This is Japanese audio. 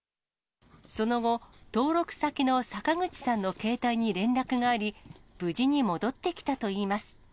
その後、登録先の坂口さんの携帯に連絡があり、無事に戻ってきたといいます。